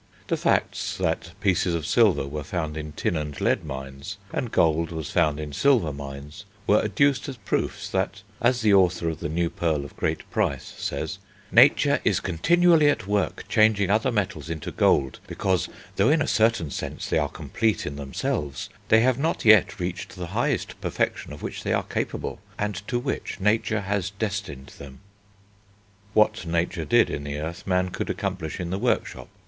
The facts that pieces of silver were found in tin and lead mines, and gold was found in silver mines, were adduced as proofs that, as the author of The New Pearl of Great Price says, "Nature is continually at work changing other metals into gold, because, though in a certain sense they are complete in themselves, they have not yet reached the highest perfection of which they are capable, and to which nature has destined them." What nature did in the earth man could accomplish in the workshop.